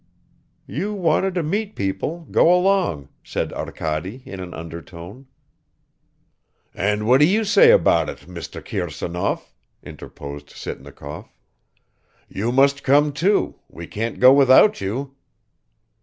"You wanted to meet people, go along," said Arkady in an undertone. "And what do you say about it, Mr. Kirsanov?" interposed Sitnikov. "You must come too we can't go without you."